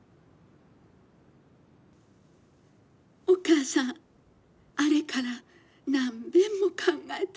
「お母さんあれから何べんも考えたんよ。